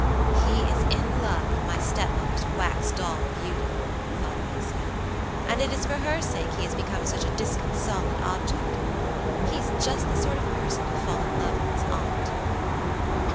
"He is in love with my step mother's wax doll beauty," thought Alicia, "and it is for her sake he has become such a disconsolate object. He's just the sort of person to fall in love with his aunt."